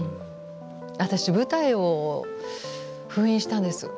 私、舞台を封印したんです。